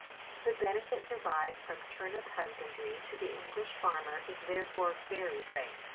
The benefit derived from turnip husbandry to the English farmer is therefore very great.